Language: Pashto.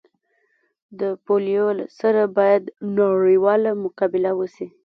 د پولیو سره باید نړیواله مقابله وسي